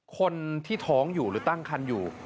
คนที่ท้องอยู่หรือตั้งคันอยู่